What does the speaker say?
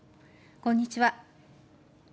こんにちは。